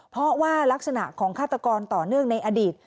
เพราะว่ารักษณะของฆาตกรต่อเนื่องในอดีต